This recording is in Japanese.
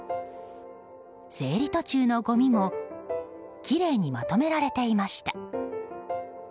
整理途中のごみもきれいにまとめられていました。